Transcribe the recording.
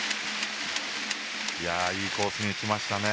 いいコースに打ちました。